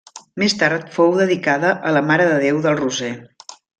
Més tard fou dedicada a la Mare de Déu del Roser.